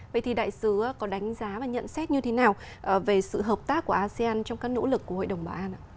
vậy thì đại sứ có đánh giá và nhận xét như thế nào về sự hợp tác của asean trong các nỗ lực của hội đồng bảo an ạ